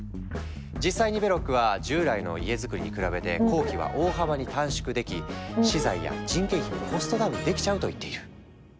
実際にベロックは従来の家づくりに比べて工期は大幅に短縮でき資材や人件費もコストダウンできちゃうと言っている。